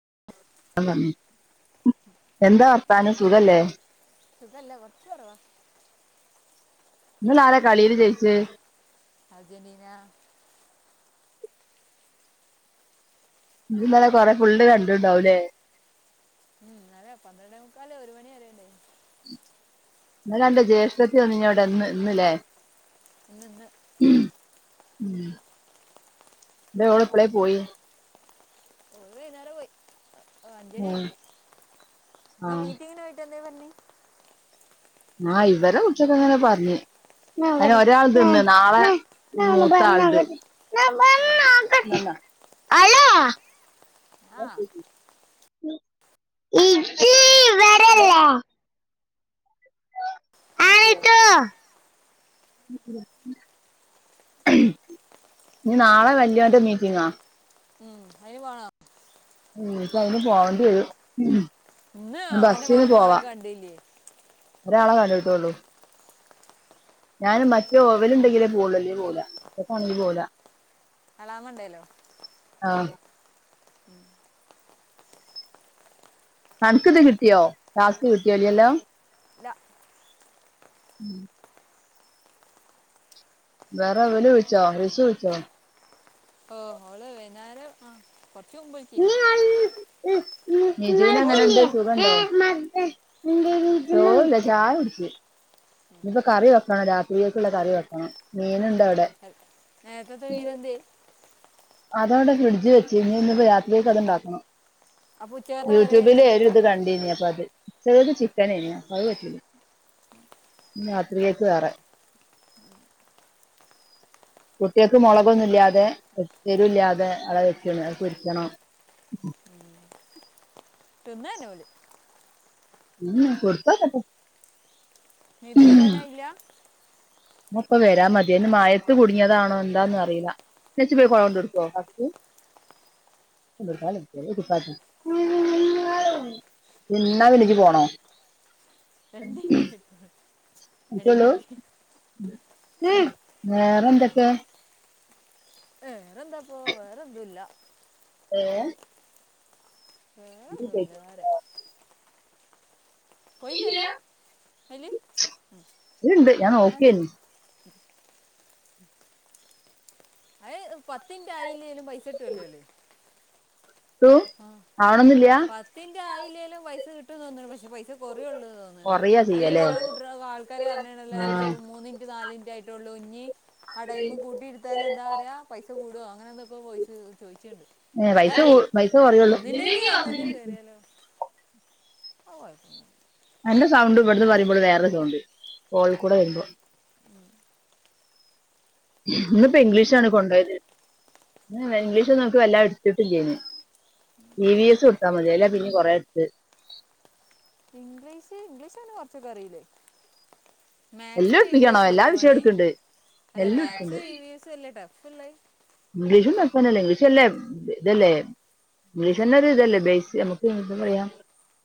[inaudible] പം എന്താ വർത്താനം സുഖല്ലേ സുഖല്ല കുറച്ച് കുറവാ ഇന്നാരാ കളിയില് ജയിച്ചേ അർജന്റീന ഇജ്ജ് ഇന്നലെ കൊറെ ഫുള്ള് കണ്ടുണ്ടാവുല്ലേ ഉം അതെ പന്ത്രണ്ടേ മുക്കാലേ ഒരു മണി വരേണ്ടയിനി ഇന്നലെ അന്റെ ജ്യേഷ്ഠത്തി വന്നു ഇവിടെ ഇന്ന് ഇന്നില്ലേ ഇന്ന് ഇന്ന് ഉം എന്തെ ഓൾ എപ്പളേ പോയി ഓൾ വൈന്നേരം പോയി അഞ്ചണി ആയി ആഹ് ആ മീറ്റിങ്ങിന് പോയിട്ട് എന്താ പറഞ്ഞി ആ ഇവരെ ഉച്ചക്കിങ്ങനെ പറഞ്ഞ് അങ്ങനെ ഒരാൾതു ഇന്ന് ഒരാൾതു നാളെ ഞാൻ പറഞ്ഞു നോക്കട്ട് അലോ ആ [unintelligible] ഇജ്ജ് ഇവടല്ലേ ആട്ടോ ഇനി നാളെ വല്യോന്റെ മീറ്റിങ്ങാ ഉം അയിന് പോണോ ഉം ഇപ്പ അയിന് പോവേണ്ടി വരും ഇന്നു ഓന്റെ ബസ്സിന് പോവാ മാഷാമാരൊക്കെ കണ്ടില്ലേ ഒരാളെ കണ്ടുട്ടുള്ളൂ ഞാൻ മറ്റേ ഓവൻ ഇണ്ടെങ്കിലേ പോവുളളും ഇല്ലേ പോവൂല്ല എളാമുണ്ടേലോ ഉം അൻക് ഇതു കിട്ടിയോ ടാസ്ക് കിട്ടിയോ ഇല്ലല്ലോ ഇല്ല [inaudible] വേറെ വല വിളിച്ചോ റിഷു വിളിച്ചോ ഓ ഓള് വൈന്നേരം ആ കുറച്ച് മുമ്പ് വിളിച്ചിനി നിജൂന് എങ്ങനെണ്ട് ചോറുന്നോ സുഖണ്ടോ ചോറല്ല ചായ കുടിച്ച് ഇനിയിപ്പോ കറി വെക്കണം രാത്രിയേക്കുള്ള കറി വെക്കണം മീനുണ്ടവിടെ നേര്ത്തത്തെ മീനന്തിയെ അതവിടെ ഫ്രിഡ്ജി വെച്ച് ഇനി ഇന്നുപ്പ രാത്രീക്ക് അതുണ്ടാക്കണം അപ്പൊ ഉച്ചകത്തെ കറിയാൻ യൂട്യൂബില് ഒരു പറ്റൂല ഇത് കണ്ടീനി അപ്പ അത് ഉച്ചക്കക്ക് ചിക്കനെനി അത് പറ്റൂല രാത്രിയേക്ക് വേറെ കുട്ടികക്ക് മുളകൊന്നു ഇല്ലാതെ എരുവില്ലാതെ അള വെച്ച് അത് പൊരിക്കണം തിന്നന്നെ ഓല് ഉം കൊടുത്തോക്കട്ടെ നിധു വരാനായില്ല [unintelligible] വരാ മതിന്ന് മയത്ത് കുടുങ്ങിയതാണോ എന്താന്ന് അറിയില്ല നച്ചു പോയി കൊടണ്ട് കൊടുക്കോ ഫസ്റ്റ് [unintelligible] പോണോ എന്തേ [inaudible] ചലോ വേറെന്താക് [unintelligible] വേറെന്താപ്പൊ വേറൊന്നു ഇല്ല ഏ വേറൊന്നുമില്ല [unintelligible] കൊയ്‌ലല്ല ഇതുണ്ട് ഞാൻ നോക്കിയേനു [unintelligible] [unintelligible] പത്തിന്റൊയില്ലെനും പൈസ കിട്ടുവല്ലോ ല്ലല്ലേ ട്ടു ആ ആവണൊന്നില്ല പത്തിന്റെ ആയില്ലേലും പൈസ കിട് [unintelligible] പക്ഷ പൈസ കൊറേ ഉള്ളത് തോന്നിണ്ട് കൊറയാ അതില് ചെയ്യല്ലേ കുറെ കൂട്ടിക ആൾക്കാര് പറഞെണല്ലോ എന്റെ മൂന്നിന്റെ നാലി ട്ടായിട്ടുള്ളൂ ഇഞ്ഞി ആ ടൈമു കൂട്ടിയിടുത്താല എന്താ ആ പറയ പൈസ കൂട അങ്ങനെ എന്തൊക്കെ വോയിസ്‌ ചോയചെണ്ട് ഏ എന്താ പൈസ അറിയില്ല ഒന്നിൻ്റെക്ക് ഒന്നിൻ്റെ കയറിയാലോ [unintelligible] [unintelligible] അന്റെ സൗണ്ട് ഇവിടുന്ന് പറയുമ്പോൾ വേറെ സൗണ്ട് കോൾ കൂടെ വരുമ്പോ ഇന്ന് ഇപ്പോ ഇംഗ്ലീഷാണ് കൊണ്ടോയത് ഇംഗ്ലീഷ് ഒക്കെ വല്ലാതെ എടുത്തിട്ടില്ലെനു ഇവിസ് കൊടുത്താ മതിയ അല്ല പിന്നെ കൊറ എടുത്ത് ഇംഗ്ലീഷ് ഇംഗ്ലീഷ്ന്ന കൊറച്ചൊക്കെ അറിയില്ലേ എല്ലാം മാക്സും ഇവി എടുപ്പിക്കണോ എസ് സും എല്ലാ അല്ലെ വിഷയം പണി എടുക്കുന്നുണ്ട് അല്ല എല്ലാം മാക്സും എടുക്കുന്നുണ്ട് ഇവി എസും അല്ലെ ഠഫ് [unintelligible] ഇംഗ്ലീഷും തന്നല്ലേ ഇംഗ്ലീഷല്ലേ ഇതല്ലേ ഇംഗ്ലീഷ് തന്നെ ഒരു ഇതല്ലേ ബേസ് നമുക്ക് എന്ത് പറയാ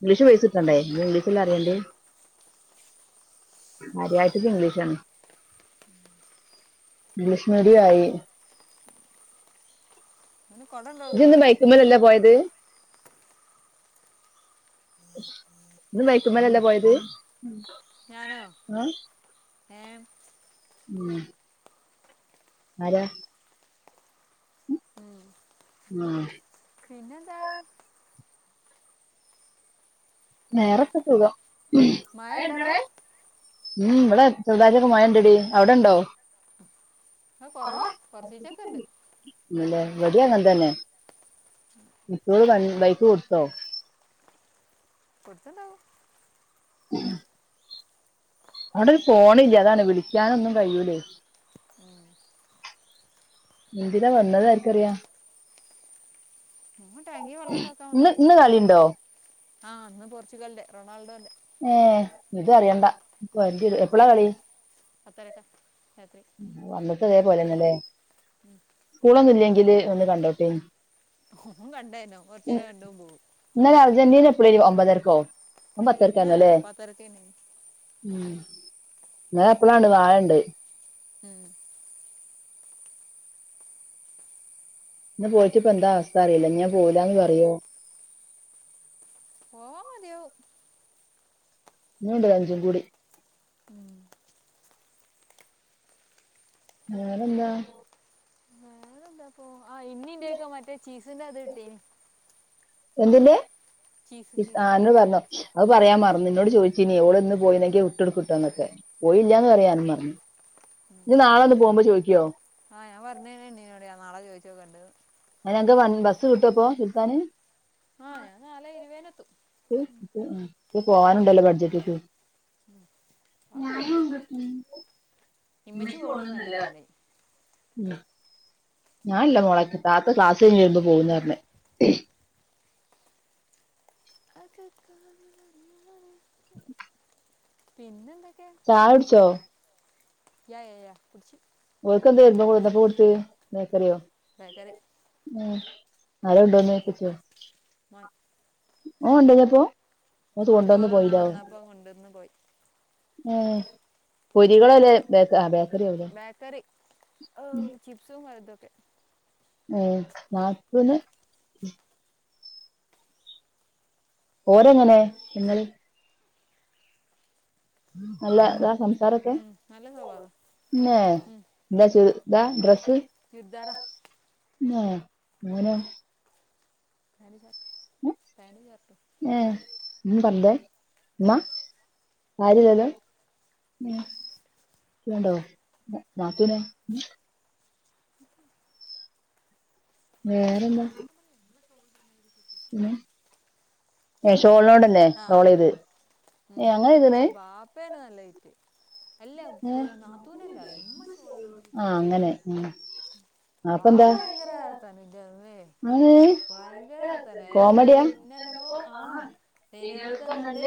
ഇംഗ്ലീഷ് ബേസിട്ടണ്ടേ ഇംഗ്ളീഷ് അറിയണ്ടേ [unintelligible] ഇംഗ്ലീഷാണ് ഇംഗ്ലീഷ് മീഡിയം ആയി അവന് കൊടം ഇജിന്ന് കൊടുക്കണം മയക്കമാലല്ലെ പോയത് ഇന്ന് വൈക്കുമലല്ല പോയത് ആ എം ഉം ആരാ ആ പിന്നെന്താ നേരൊക്കെ തുക ഉ മഴ ഉണ്ടടേ ഇവിടെ ചെറുതായിട്ട് ഒക്കെ മഴണ്ടടി അവിടെണ്ടോ അത് കുറവാ കുറച്ചൊക്കെ ഉണ്ട് ഇവിടം അങ്ങനെ തന്നെ ഇപ്പൊ വെ ബൈക്ക് കൊടുത്തോ കൊടുത്തെണ്ടാവും മ് അവിടൊരു ഫോണില്ല അതാണ് വിളിക്കാൻ ഒന്നും കഴിയൂ എന്തിനാ വന്നതാർക്കറിയാ നിങ്ങൾ ടാങ്കി വെള്ളം ഉണ്ടാക്കാൻ ഇന്ന് ഇന്ന് വന്നിട്ടുണ്ട് കളിണ്ടോ ആ ഇന്ന് പോർച്ചുഗലിന്റെ റൊണാൾഡോന്റെ ഏ ഇതറിയണ്ടാ എപ്പളാ കളി പത്തരക്ക രാത്രി വന്നിട്ട് അതേപോലെന്നല്ലേ സ്കൂളൊന്നു ഇല്ലെങ്കിൽ ഒന്ന് കണ്ടോട്ടെന്ന് ഓൻ കണ്ടേനോ കുറച്ചു ഇ നേരം കണ്ടും പോകും ഇന്നലെ അർജന്റീന എപ്പോഴ്ന്നു ഒമ്പതരക്കോ ഓൻ ആ പത്തരക്കായിരുന്നു അല്ലേ പത്തരക്കേനി ഉം ല എപ്പഴാണ് നാളെണ്ട് ഉം ഇന്ന് പോയിട്ട് ഇപ്പൊ എന്താ അവസ്ഥ അറിയില്ല ഞാൻ പോവുലാന്ന് പറയോ മതിയോ ഇനിയും ഉണ്ട് അഞ്ചും കൂടി ഉം. വേറെന്താ വേറെന്താ പോ ആ ഇന്നിണ്ടായിയേക്ക മറ്റേ ചീസ് അതിന്റെ അത് കിട്ടിയേനി എന്തിൻ്റെ ചീസ് ആന്ന് പറഞ്ഞോ അവ പറയാ മറന്നു ഇന്നോട് ചോദിച്ചീനി ഓള് ഇന്ന് പോയിന്നോ ഇട്ട്ടുക്കിട്ടന്നൊക്കെ പോയില്ലന്ന് പറയാൻ മറന്നു നി നാളെ ഒന്ന് പോവുമ്പ ചോദിക്കുവോ ആ ഞാൻ പറഞ്ഞേനെ ഉണ്ണീനോട് ഞാൻ നാളെ ചോദിച്ചു നോക്കണ്ട് ഞങ്ങക്ക് ബൻ ബസ്സ് കിട്ടുവോപ്പോ സുൽത്താന് ആ ഞാൻ നാളെ ഇരുവേനെത്തും പോവാനുണ്ടല്ലോ ബഡ്ജറ്റേക്ക് ഇമ്മച്ചു പോണുന്നല്ല പറഞ്ഞേ ഉ ഞാൻ ഇല്ല മോളെയാട്ട് താത്ത ക്ലാസ് കഴിഞ്ഞു വരുമ്പോ പോകുന്ന പറഞ്ഞെ മ് ശ് പിന്നെ എന്ത്‌ യാ യ യാ കുടിച്ച് ഓക്കെന്ത വരുമ്പോ കൊടുത്ത് ബേക്കറിയോ ബേക്കറി ഉം നാളെ ഉണ്ടോന്ന് കേപ്പിച്ചോ മോൻ ഓ ഒണ്ടല്ലോ അപ്പൊ ഞാൻ വിചാരിച്ച് മോൻ കൊണ്ടോന്ന് ചോറ് നാ പോയില്ലോ വന്നപ്പോൾ കൊണ്ടുവന്ന് പോയി ആ പൊരികളല്ലേ ബേക് ആ ബേക്കറി എവിടെ ബേക്കറി ഓ ചിപ്സും ഇതൊക്കെ ഏഹ് നാപ് ല് ഓരെങ്ങനെ തിന്നല്? അല്ല [unintelligible] സറൊക്കെ ഉം, നല്ല സ്വഭാവം [unintelligible] ഡ്രസ് ചുര്ദാറാ മാ ങ്ങനെ [unintelligible] പാൻറ് ഷർട്ട് എഹ് ഏഹ് [unintelligible] ഉമ്മാ കാര്യല്ലല്ലോ ഉം ഷീണണ്ടോ നാത്തൂനൊ വേറെന്താ പിന്നെ ഏഹ് ഷോളിനോട്ന്നെ ആ ആ റോളയ്ത് ഉം. ഏഹ് അങ്ങനെ ചെയ്തുണ്‌ പക്ഷെ ബാപ്പയാണ് നല്ല ഇറ്റ് അല്ല ഇപ്പ നാത്തൂനല്ല ഇമ്മ ഷോളിനോട് ആ കെട്ട്ട്ടീനി അങ്ങനെ ഉം ഉം ബാപ്പ അപ്പെന്താ ഭയങ്കര റാഹത്താണ് ഇന്റമ്മേ അത് ഭയങ്കര വർത്താനാ അതൊന്ന് കോമഡിയാ കഴിഞ്ഞന്നപ്പോ ആഹ് തേനികൾക്ക് വന്നാണ്ട്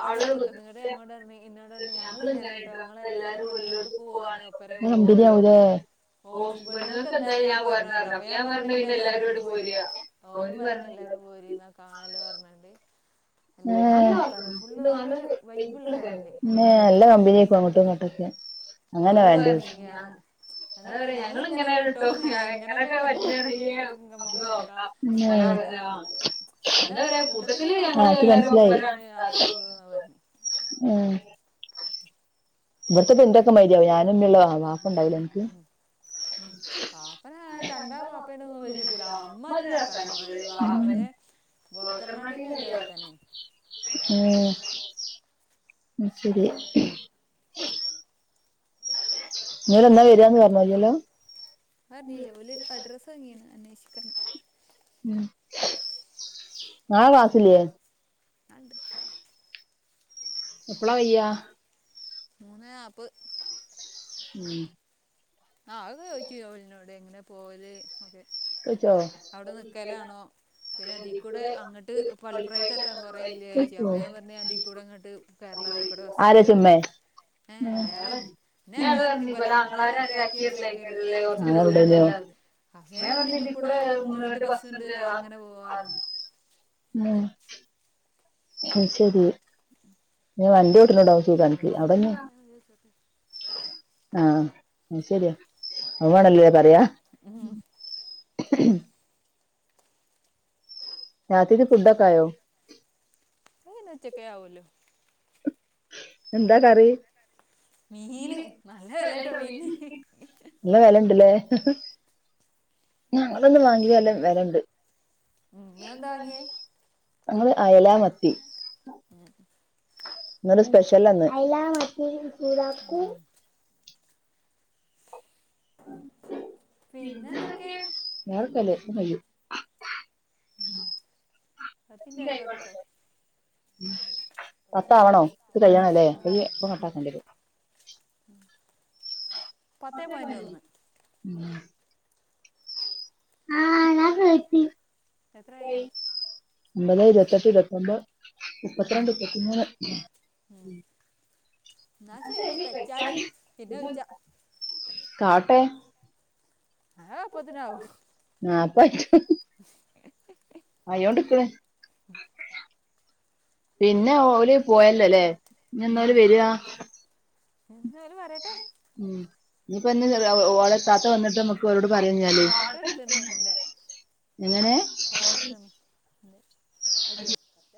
അവിടെണ്ട് കുത്തർന്ന് ന്നട്ട് ഞങ്ങളോട് പറഞ്ഞ് ഇന്നോട് പറഞ്ഞ് ഞങ്ങൾ ഇങ്ങനെയാട്ടോ ഞങ്ങൾ എല്ലാരും എല്ലോട്ത്ത്ക്കും പോവാണേലും ഒപ്പരെ നല്ല പോവള്ളൂ കമ്പനിയാവൂലേ ഓക്ക് പെണ്ണ്ങ്ങക്ക് ന്തായാലും ഞാൻ പോരണം ന്ന് പറഞ്ഞു അപ്പൊ ഞാൻ പറഞ്ഞു പിന്നെ എല്ലാരും ങ്ങട്ട് പോരാ ഓനും പറഞ്ഞ് എല്ലാരും പോരി ന്നാ കാണല്ലോ പറഞ്ഞ ആഹ് നല്ലൊരു വൈബുള്ള ഫാമിലി അങ്ങനെയാണ് നല്ല കാണുന്നത് കമ്പനിയെക്കും നല്ല അങ്ങോട്ടും ഇങ്ങോട്ടക്കെ അങ്ങനെ ഓല് വേണ്ടത് പറഞ്ഞു ഇഞ്ഞാന്ന് എന്താ അത് പറയാ ഞങ്ങൾ ഞങൾ ഇങ്ങനെ കേട്ടോ ഇങ്ങനെയാണുട്ടോ എങ്ങനെയൊക്കെ ഇങ്ങനെയൊക്കെ പറ്റുവാണേൽ പറ്റുകയാണെങ്കിൽ നമുക്ക് നോക്കാം തന്നെ നല്ല പറ ആ ആഹ് എന്താ പറയാ [unintelligible] കൂട്ടത്തിൽ ആഹ് ഞങ്ങൾ എല്ലാവരും മനസ്സിലായി മനസിലായി ഒപ്പരാണ് അത്രേ ഉള്ളൂ എന്ന് പറഞ്ഞു ഏഹ് ഇവിടത്തെക്ക ഇന്റൊക്കെ മാതിരി ആവും ഞാനും ഉമ്മയൊള്ളു വാപ്പണ്ടാവും ലേ അനക്ക് ഉം. പാപ്പനെ കണ്ടാ പാപ്പേനെ ഒന്നും വിശ്വസിച്ചില്ല അമ്മാതിരി വർത്താനം ഏയ് വാ- മറ്റേ ബോക്കർനാട്ടിലല്ലേ വർത്താനം ഉം ഉം ശരിയെ പറഞ്ഞില്ലല്ലോ അറിഞ്ഞീല്ലേ ഓല് അഡ്രസ് വാങ്ങീണ് അന്നേ ക്ക്ണ്ണ് ണ്ട് ഉം നാളെ ക്ലാസില്ലോ? ആണ്ട് എപ്പളാ കയ്യ? മൂന്നേ നാപ്പ് ഉം ആഹ് അകെചോയ്ച്ച് ഓല്നോട് എങ്ങനെ പോല് ഓക്കെ ചോയിച്ചോ അവടെ നിക്കലാണോ പിന്നെ തീ കൂടെ അങ്ങട്ട് പള്ളിപുറായ്ക്കെത്താൻ കൊറെ ഇല്ല്യേച്ച് അപ്പ ഞാം പർഞ്ഞ് ഞാതികൂടെങ്ങട്ട് കേറലാ തികൂടെ ആരാ ബസ്സ്ണ്ട് ചുമ്മേ ഏഹ് അയാളെന്നെ പിന്നയാളർഞ്ഞ് ഇബലാ ങ്ങളാരാരേ ആ ല്ലേ ക്കെരെല്ലേ കൊറച്ച് ദൂരണ്ടല്ലോർഞ്ഞ് അ പിന്നെ ഞാം പർഞ്ഞ് തിക്കൂടെ ങ്ങട്ട് ബസ്സ് ണ്ട് അങ്ങനെ പോവാ പറഞ്ഞ് [unintelligible] ഉം അശരി വണ്ടി ഓട്ട്ണോണ്ടാവും ക്കി കണക്ക് ബസ്സിന്റെ അവിടെന്നെ നാടാണ് കേസൊക്കെ ആ അശരിയാ അതു വേണല്ലേ പറയാ ഉം [unintelligible] രാത്തിത്തി പുഡ കായോ നച്ചക്കയാ വല എന്താ കറി മീന് നല്ല വെലട്ടോ മീനിന് എല്ല വിലണ്ടല്ലേ ഞങ്ങളൊന്ന വാങ്ങിയല്ലാം വരണ്ട് ഉം അഏതാകിയ അങ്ങൾ അയലാ മത്തി ഉം എന്നരു സ്പെഷ്യൽന്ന് വാക്കു പിന്നെ എന്തൊക്കെ ഞർക്കല്ലേ മയ്യോ ഉ അത്തിന്റെ ആയിക്കോട്ടെട്ടോ ഉം പത്താവണോ ഇത് ഉം കല്ിയണം അല്ലേ അതാണ് വയ്യ ഇപ്പൊ കട്ടാക്കേണ്ടത് പത്തേ പോയിന്റ് ഒന്ന് ഉം ആ ഞാൻ എത്രയായി ഒമ്പത് ഇരുപത്തെട്ട് ഇരുപത്തിൊമ്പത് മുപ്പത്തിരണ്ട് മുപ്പത്തിമൂന്ന് എന്നാ ശരി വെച്ചാല് പിന്നെ വിളിച്ച കാട്ടെ ആഹ പതിനനാവ ആപ്പ [unintelligible] പിന്നെ ഓര് പോയല്ലോല്ലേ ഇ എന്നാല ഉം. വരുവാ എന്നാലും പറയട്ടെ ഉ നനിപ്പന്നെ ഓളക്കാത്ത വന്നിട്ട് നമ്മുക്ക് ഒരോട് പറയാഞ്ഞല്േ ഫോട്ടോ എടുത്തിരുന്നു എൻ്റെ എങ്ങനെ അോ